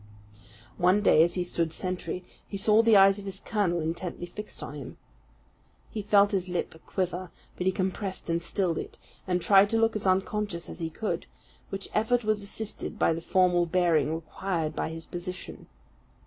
One day, as he stood sentry, he saw the eyes of his colonel intently fixed on him. He felt his lip quiver, but he compressed and stilled it, and tried to look as unconscious as he could; which effort was assisted by the formal bearing required by his position.